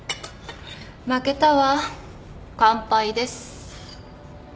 負けたわ完敗です